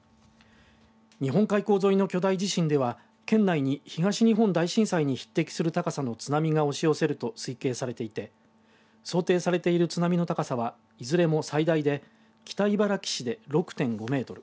日本海溝沿いの巨大地震では県内に東日本大震災に匹敵する高さの津波が押し寄せると推計されていて想定されている津波の高さはいずれも最大で北茨城市で６．５メートル